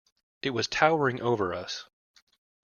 It was towering over us.